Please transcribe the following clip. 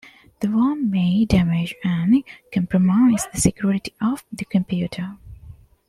The worm may damage and compromise the security of the computer.